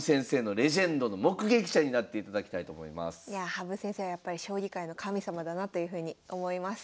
羽生先生はやっぱり将棋界の神様だなというふうに思います。